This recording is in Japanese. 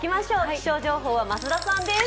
気象情報は増田さんです。